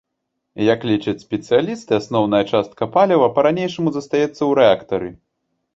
Як лічаць спецыялісты, асноўная частка паліва па-ранейшаму застаецца ў рэактары.